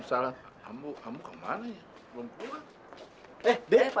ambu kemana ya belum keluar